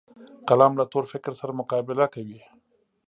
قلم له تور فکر سره مقابل کوي